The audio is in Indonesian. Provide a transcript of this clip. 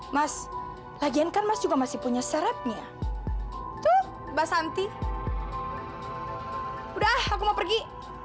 mas lagi kan mas juga masih punya serepnya tuh basanti udah aku mau pergi